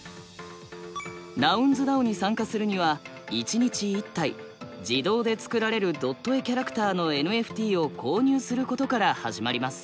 ＮｏｕｎｓＤＡＯに参加するには１日１体自動で作られるドット絵キャラクターのＮＦＴを購入することから始まります。